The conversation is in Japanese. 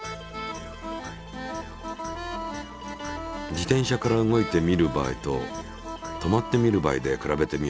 自転車から動いて見る場合と止まって見る場合で比べてみよう。